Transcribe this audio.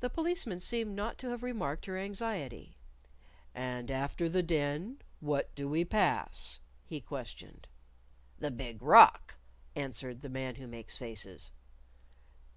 The Policeman seemed not to have remarked her anxiety. "And after the Den, what do we pass?" he questioned. "The Big Rock," answered the Man Who Makes Faces.